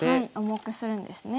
重くするんですね。